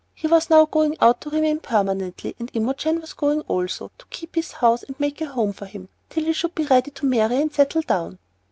He was now going out to remain permanently, and Imogen was going also, to keep his house and make a home for him till he should be ready to marry and settle down.